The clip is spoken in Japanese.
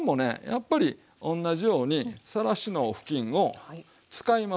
やっぱり同じようにさらしの布巾を使います。